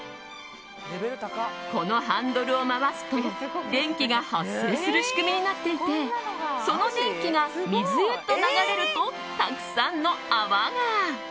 このハンドルを回すと電気が発生する仕組みになっていてその電気が水へと流れるとたくさんの泡が。